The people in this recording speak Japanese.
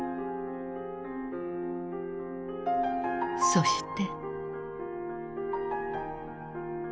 そして。